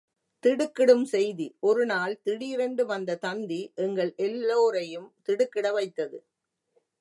திடுக்கிடும் செய்தி ஒருநாள் திடீரென்று வந்த தந்தி எங்கள் எல்லோரையும் திடுக்கிட வைத்தது.